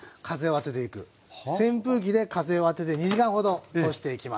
扇風機で風を当てて２時間ほど干していきます。